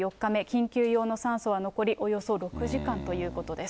緊急用の酸素は残りおよそ６時間ということです。